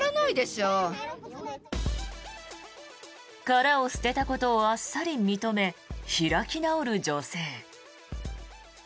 殻を捨てたことをあっさり認め、開き直る女性。